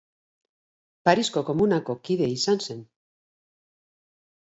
Parisko Komunako kide izan zen.